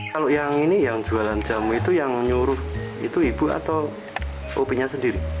kalau yang ini yang jualan jamu itu yang nyuruh itu ibu atau opinya sendiri